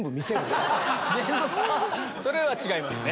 それは違いますね。